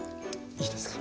いいですか？